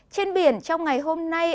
trên biển trong ngày hôm nay